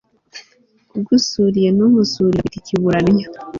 ugusuriye ntumusurire akwita ikibura nnyo